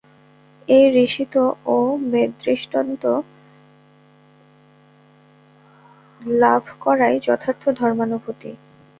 এই ঋষিত্ব ও বেদদ্রষ্টৃত্ব লাভ করাই যথার্থ ধর্মানুভূতি।